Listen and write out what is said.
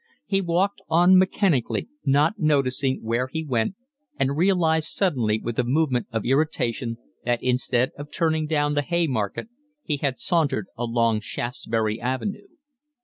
He walked on mechanically, not noticing where he went, and realised suddenly, with a movement of irritation, that instead of turning down the Haymarket he had sauntered along Shaftesbury Avenue.